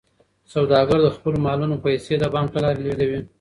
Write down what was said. سوداګر د خپلو مالونو پیسې د بانک له لارې لیږدوي.